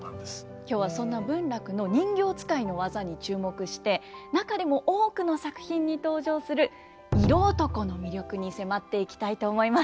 今日はそんな文楽の人形遣いの技に注目して中でも多くの作品に登場する色男の魅力に迫っていきたいと思います。